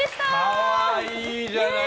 可愛いじゃない。